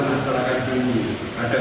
dengan kebuh kesadaran